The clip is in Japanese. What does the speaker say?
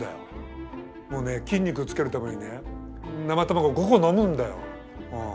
もうね筋肉つけるためにね生卵５個飲むんだよ。